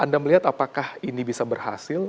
anda melihat apakah ini bisa berhasil